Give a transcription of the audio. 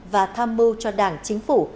và tham mưu cho đảng chính phủ